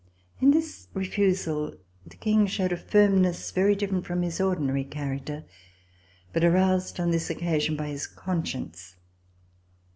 In this refusal the King showed a firmness very different from his ordinary character, but aroused on this occasion by his conscience.